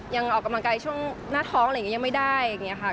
ยังออกกำลังกายช่วงหน้าท้องยังไม่ได้อย่างนี้ค่ะ